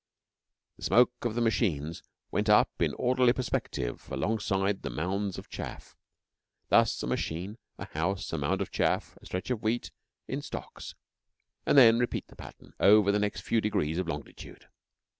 The smoke of the machines went up in orderly perspective alongside the mounds of chaff thus: a machine, a house, a mound of chaff, a stretch of wheat in stocks and then repeat the pattern over the next few degrees of longitude.